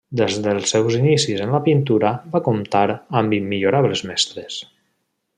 Des dels seus inicis en la pintura va comptar amb immillorables mestres.